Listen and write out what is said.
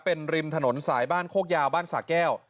เป็นริมถนนสายบ้านโคกยาวบ้านสะแก้ว